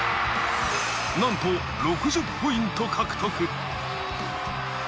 なんと６０ポイント獲得。